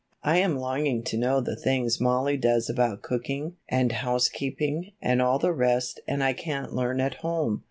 "I am longing to know the things Mollie does about cooking and housekeeping and all the rest and I can't learn at home.